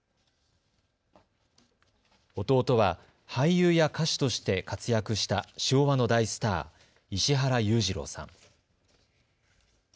弟は俳優や歌手として活躍した昭和の大スター、石原裕次郎さん。